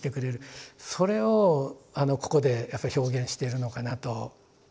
それをここでやっぱり表現してるのかなと。